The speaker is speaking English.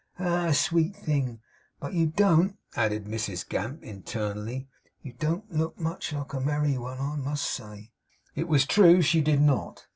Ah! sweet thing! But you don't,' added Mrs Gamp, internally, 'you don't look much like a merry one, I must say!' It was true; she did not.